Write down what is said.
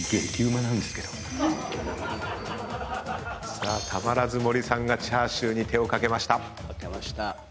さあたまらず森さんがチャーシューに手を掛けました。